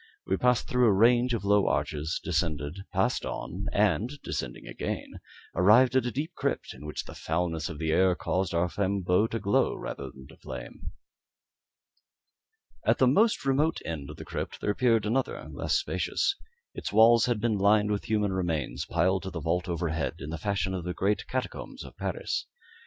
We passed through a range of low arches, descended, passed on, and descending again, arrived at a deep crypt, in which the foulness of the air caused our flambeaux rather to glow than flame. At the most remote end of the crypt there appeared another less spacious. Its walls had been lined with human remains, piled to the vault overhead, in the fashion of the great catacombs of Paris.